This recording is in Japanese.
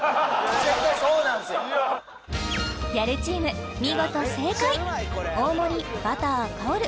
ギャルチーム見事正解大盛バター香る！